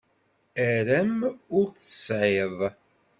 Aram ur t-tesεiḍ.